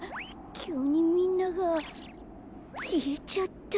きゅうにみんながきえちゃった。